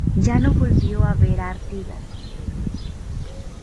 Ya no volvió a ver a Artigas.